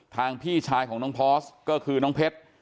พี่ชายของน้องพอร์สก็คือน้องเพชร